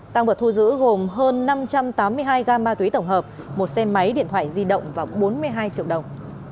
tăng vật thu giữ gồm hơn năm trăm tám mươi hai gam ma túy tổng hợp một xe máy điện thoại di động và bốn mươi hai triệu đồng